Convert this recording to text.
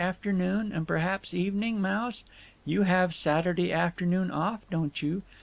afternoon and perhaps evening, Mouse? You have Saturday afternoon off, don't you?